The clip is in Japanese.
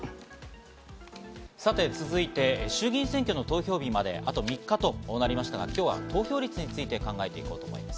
続いて衆議院選挙の投票日まで、あと３日となりましたが、今日は投票率について考えて行こうと思います。